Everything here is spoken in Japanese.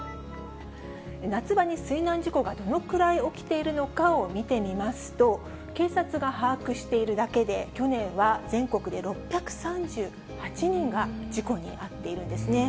夏場に水難事故がどのくらい起きているのかを見てみますと、警察が把握しているだけで、去年は全国で６３８人が事故に遭っているんですね。